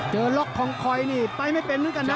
ล็อกคองคอยนี่ไปไม่เป็นเหมือนกันนะ